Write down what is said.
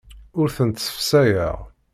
Ur tent-ssefsayeɣ.